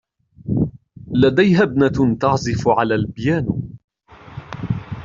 لديها ابنة تعزف على البيانو.